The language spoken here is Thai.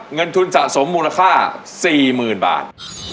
เงินทุนสะสมมูลค่าสี่หมื่นบาท